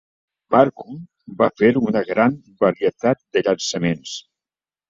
Marcum va fer una gran varietat de llançaments.